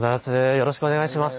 よろしくお願いします。